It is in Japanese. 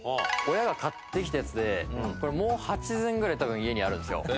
親が買ってきたやつでこれもう８膳ぐらい多分家にあるんですよ。